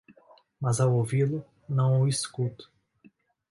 mas ao ouvi-lo, não o escuto